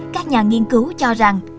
các nhà nghiên cứu cho rằng